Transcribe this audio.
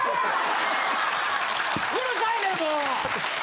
うるさいねんもう！